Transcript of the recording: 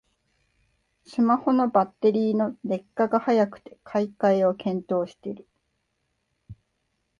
スマホのバッテリーの劣化が早くて買い替えを検討してる